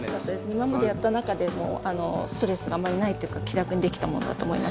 今までやった中でもストレスがあんまりないっていうか、気軽にできたと思います。